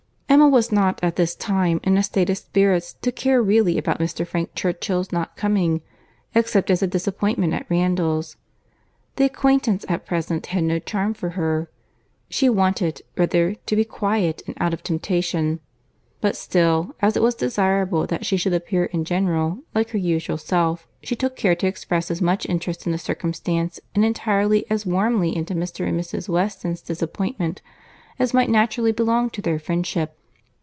Emma was not at this time in a state of spirits to care really about Mr. Frank Churchill's not coming, except as a disappointment at Randalls. The acquaintance at present had no charm for her. She wanted, rather, to be quiet, and out of temptation; but still, as it was desirable that she should appear, in general, like her usual self, she took care to express as much interest in the circumstance, and enter as warmly into Mr. and Mrs. Weston's disappointment, as might naturally belong to their friendship.